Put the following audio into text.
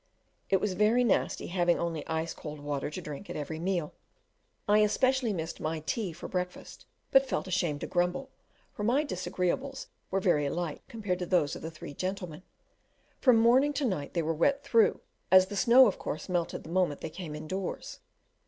It was very nasty having only ice cold water to drink at every meal. I especially missed my tea for breakfast; but felt ashamed to grumble, for my disagreeables were very light compared to those of the three gentlemen. From morning to night they were wet through, as the snow of course melted the moment they came indoors.